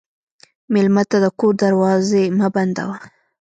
مېلمه ته د کور دروازې مه بندوه.